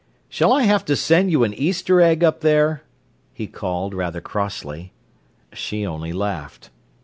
"Shall I have to send you an Easter egg up there?" he called, rather crossly. She only laughed.